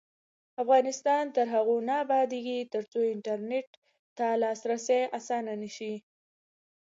افغانستان تر هغو نه ابادیږي، ترڅو انټرنیټ ته لاسرسی اسانه نشي.